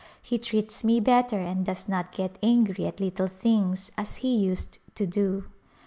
He treats me better and does not get angry at little things as he used to do."